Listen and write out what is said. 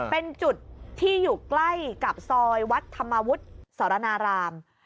เป็นจุดที่อยู่ใกล้กับซอยวัดธรรมวุฒิสรณาราม